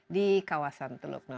di kawasan teluk